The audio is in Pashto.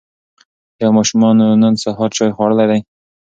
ایا ماشومانو نن سهار چای خوړلی دی؟